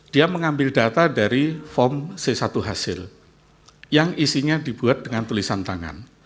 dia mengambil data dari form c satu hasil yang isinya dibuat dengan tulisan tangan